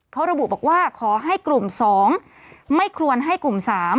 เขาระบุบอกว่าขอให้กลุ่ม๒ไม่ควรให้กลุ่ม๓